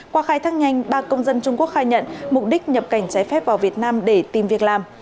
qua khai thác nhanh ba công dân trung quốc khai nhận mục đích nhập cảnh trái phép vào việt nam để tìm việc làm